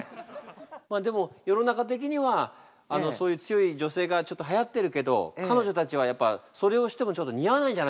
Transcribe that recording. まあでも世の中的にはそういう強い女性がちょっとはやってるけど彼女たちはやっぱそれをしてもちょっと似合わないんじゃないかと。